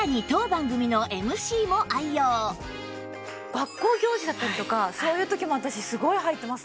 学校行事だったりとかそういう時も私すごいはいてますね。